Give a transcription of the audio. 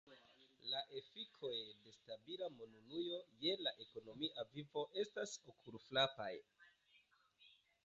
La efikoj de stabila monunuo je la ekonomia vivo estas okulfrapaj.